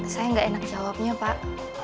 saya nggak enak jawabnya pak